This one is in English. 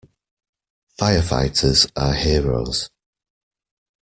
Firefighters are heroes.